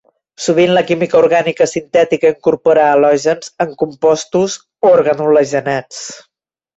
Sovint, la química orgànica sintètica incorpora halògens en composts organohalogenats.